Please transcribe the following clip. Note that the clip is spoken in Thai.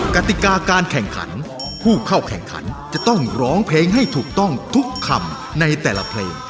กติกาการแข่งขันผู้เข้าแข่งขันจะต้องร้องเพลงให้ถูกต้องทุกคำในแต่ละเพลง